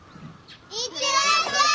行ってらっしゃい！